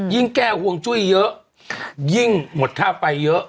แก้ห่วงจุ้ยเยอะยิ่งหมดค่าไฟเยอะ